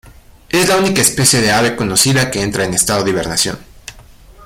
Es la única especie de ave conocida que entra en estado de hibernación.